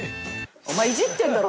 お前イジってんだろ